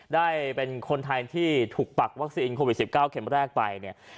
ได้เป็นคนไทยที่ถูกปักวัคซีนโควิด๑๙เข็มแรกไปเนี่ย